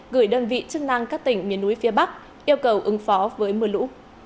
gửi đơn vị chức năng các tỉnh miền núi phía bắc yêu cầu ứng phó với mưa lũ